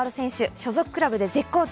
所属クラブで絶好調。